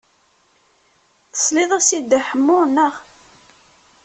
Tesliḍ-as i Dda Ḥemmu, naɣ?